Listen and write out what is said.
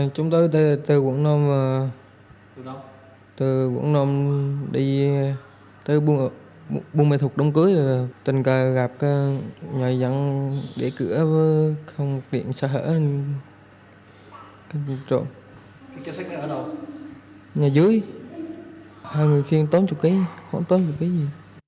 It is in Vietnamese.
chúng tôi từ quận năm đi từ quận năm đi tới buôn bài thuật đồng cưới